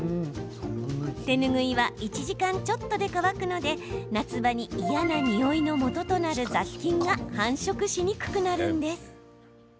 手ぬぐいは１時間ちょっとで乾くので夏場に嫌なにおいの元となる雑菌が繁殖しにくくなるんです。